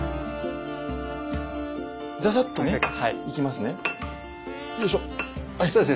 ざざっとねいきますね。